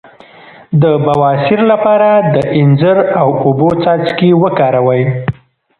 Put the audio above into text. د بواسیر لپاره د انځر او اوبو څاڅکي وکاروئ